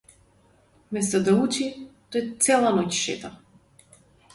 Место да учи тој цела ноќ шета.